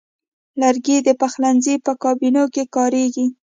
لرګی د پخلنځي په کابینو کې کاریږي.